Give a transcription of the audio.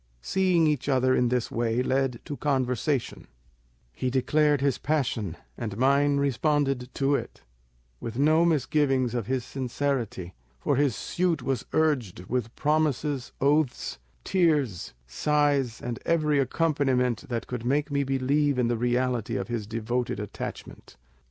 "Seeing each other in this way led to conversation; he declared his passion, and mine responded to it, with no misgiving of his sincerity, for his suit was urged with promises, oaths, tears, sighs, and every accompaniment that could make me believe in the reality of his devoted attachment.